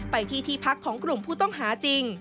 ไปที่ที่พักของกลุ่มผู้ต้องหาจริง